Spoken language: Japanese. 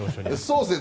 そうですね。